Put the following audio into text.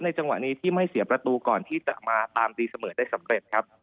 จังหวะนี้ที่ไม่เสียประตูก่อนที่จะมาตามตีเสมอได้สำเร็จครับ